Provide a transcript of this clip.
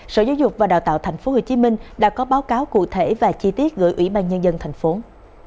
sở giáo dục và đào tạo tp hcm đã có báo cáo cụ thể và chi tiết gửi ủy ban nhân dân thành phố